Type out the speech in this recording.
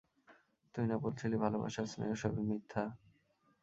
তুই না বলছিলি ভালোবাসা, স্নেহ সবই মিথ্যা।